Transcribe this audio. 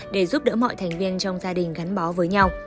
để giúp đỡ mọi thành viên trong gia đình gắn bó với nhau